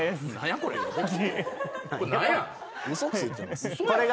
これ何や？